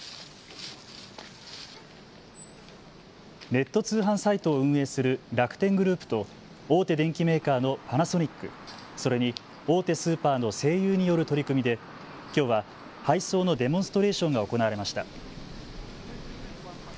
ネット通販サイトを運営する楽天グループと大手電機メーカーのパナソニック、それに大手スーパーの西友による取り組みで、きょうは配送のデモンストレーションが行われました。